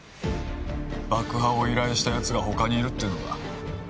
爆破を依頼したやつが他にいるっていうのか？